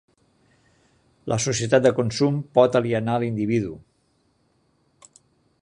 La societat de consum pot alienar l'individu.